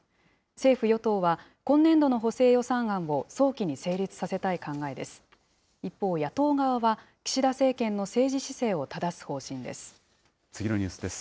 政府・与党は、今年度の補正予算案を早期に成立させたい考えです。